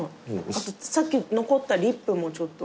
さっき残ったリップもちょっと。